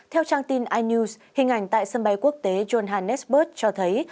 theo trang tin inews hình ảnh tại sân bay quốc tế john hannesburg cho thấy